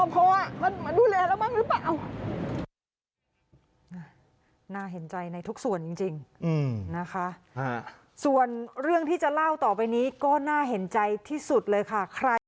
พอมาดูแลเราบ้างหรือเปล่า